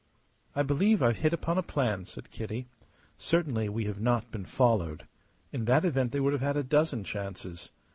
"I believe I've hit upon a plan," said Kitty. "Certainly we have not been followed. In that event they would have had a dozen chances.